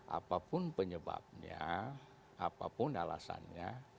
apapun penyebabnya apapun alasannya